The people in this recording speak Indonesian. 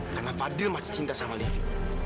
karena fadil masih cinta sama livi